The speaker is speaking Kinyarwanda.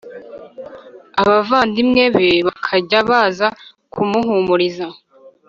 Abavandimwe be bakajya baza kumuhumuriza